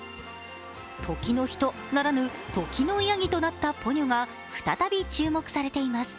時の人ならぬ時のやぎとなったポニョが再び注目されています。